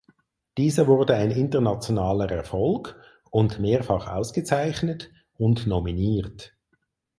Dieser wurde ein internationaler Erfolg und mehrfach ausgezeichnet und nominiert.